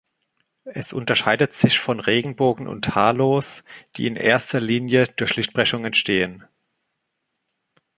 Es unterscheidet sich von Regenbogen und Halos, die in erster Linie durch Lichtbrechung entstehen.